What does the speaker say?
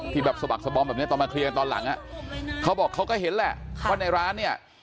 ที่ปักสะบำตอนมาเคลียกันตอนหลังเขาบอกเขาก็เห็นแหละว่าในร้านเนี่ย